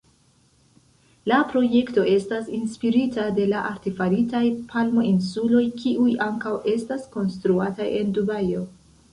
La projekto estas inspirita de la artefaritaj Palmo-insuloj, kiuj ankaŭ estas konstruataj en Dubajo.